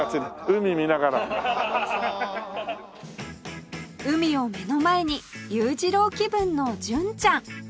海を目の前に裕次郎気分の純ちゃん